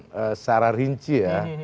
secara rinci ya